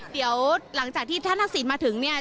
เดี๋ยวหลังจากที่ท่านทักษิณมาถึงเนี่ย